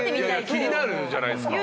気になるじゃないですか。